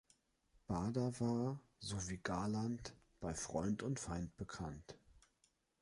Bader war, so wie Galland, bei Freund und Feind bekannt.